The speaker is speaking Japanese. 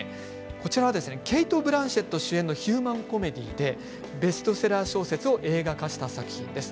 こちらはケイト・ブランシェット主演のヒューマンコメディーでベストセラー小説を映画化した作品です。